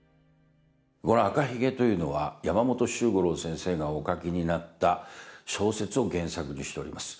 この「赤ひげ」というのは山本周五郎先生がお書きになった小説を原作にしております。